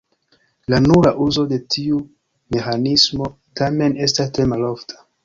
La nura uzo de tiu meĥanismo tamen estas tre malofta.